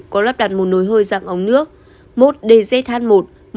có lắp đặt một nồi hơi rạng ống nước mốt dzh một một m